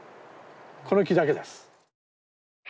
この木だけです。